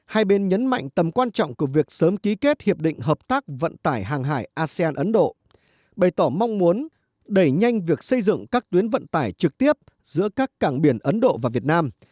hai bên nhấn mạnh tầm quan trọng của việc sớm ký kết hiệp định hợp tác vận tải hàng hải asean ấn độ bày tỏ mong muốn đẩy nhanh việc xây dựng các tuyến vận tải trực tiếp giữa các cảng biển ấn độ và việt nam